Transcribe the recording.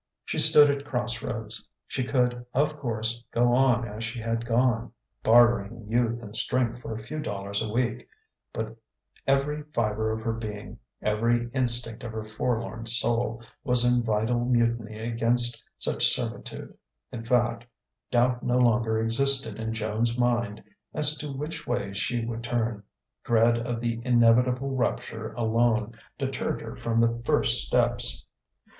She stood at crossroads. She could, of course, go on as she had gone bartering youth and strength for a few dollars a week. But every fibre of her being, every instinct of her forlorn soul, was in vital mutiny against such servitude. In fact, doubt no longer existed in Joan's mind as to which way she would turn: dread of the inevitable rupture alone deterred her from the first steps.